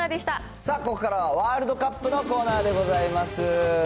さあここからはワールドカップのコーナーでございます。